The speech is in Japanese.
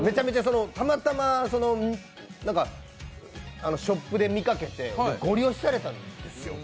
たまたまショップで見かけて、ごり押しされたんですよ。